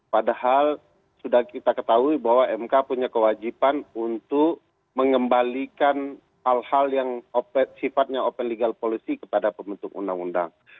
padahal sudah kita ketahui bahwa mk punya kewajiban untuk mengembalikan hal hal yang sifatnya open legal policy kepada pembentuk undang undang